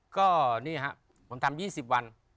ก็นี่ครับผมทำ๒๐วัน